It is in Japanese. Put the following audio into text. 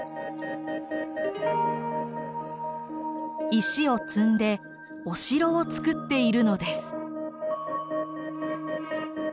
石を積んでお城を作っているのです。